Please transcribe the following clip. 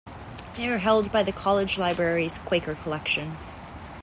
They are held by the college library's Quaker Collection.